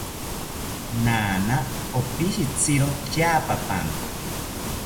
Naana opishitziro tyaapapanko